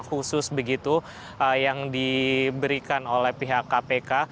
khusus begitu yang diberikan oleh pihak kpk